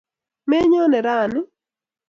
menyoni rani